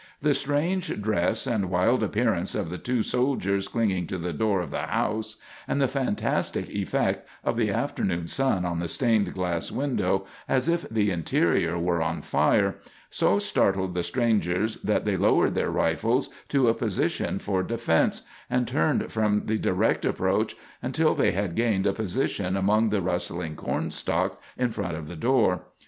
The strange dress and wild appearance of the two soldiers clinging to the door of the house, and the fantastic effect of the afternoon sun on the stained glass window, as if the interior were on fire, so startled the strangers that they lowered their rifles to a position for defense, and turned from the direct approach, until they had gained a position among the rustling corn stalks in front of the door.